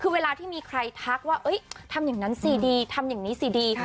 คือเวลาที่มีใครทักว่าทำอย่างนั้นสิดีทำอย่างนี้สิดี